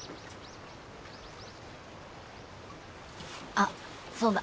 あっそうだ。